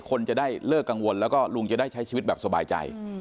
คนจะได้เลิกกังวลแล้วก็ลุงจะได้ใช้ชีวิตแบบสบายใจ